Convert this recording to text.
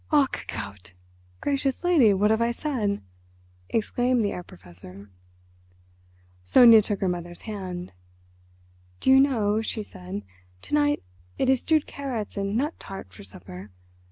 "Ach Gott! Gracious lady, what have I said?" exclaimed the Herr Professor. Sonia took her mother's hand. "Do you know," she said, "to night it is stewed carrots and nut tart for supper.